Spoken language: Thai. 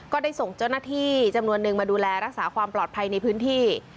ก็ได้ส่งเจ้าหน้าที่จำนวนนึงมาดูแลรักษาความปลอดภัยในพื้นที่